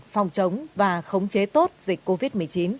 phòng chống và khống chế tốt dịch covid một mươi chín